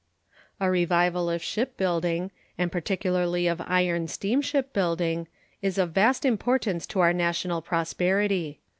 A revival of shipbuilding, and particularly of iron steamship building, is of vast importance to our national prosperity.